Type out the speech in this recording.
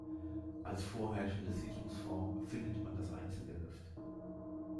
Als vorherrschende Siedlungsform findet man das Einzelgehöft.